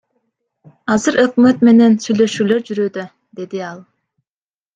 Азыр өкмөт менен сүйлөшүүлөр жүрүүдө, — деди ал.